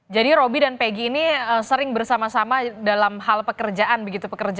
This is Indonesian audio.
jadi robi dan pegi ini sering bersama sama dalam hal pekerjaan begitu